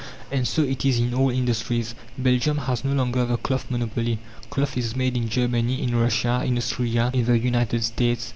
And so it is in all industries. Belgium has no longer the cloth monopoly; cloth is made in Germany, in Russia, in Austria, in the United States.